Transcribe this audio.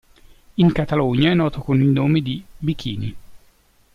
In Catalogna è noto con il nome di "bikini".